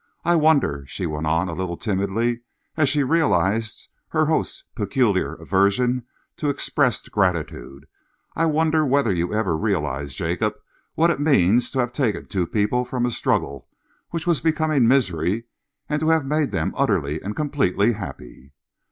I wonder," she went on a little timidly, as she realised her host's peculiar aversion to expressed gratitude, "I wonder whether you ever realise, Jacob, what it means to have taken two people from a struggle which was becoming misery and to have made them utterly and completely happy."...